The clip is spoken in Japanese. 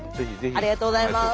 ありがとうございます！